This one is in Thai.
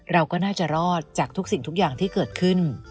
เราก็น่าจะรอดจากทุกสิ่งทุกอย่างที่เกิดขึ้น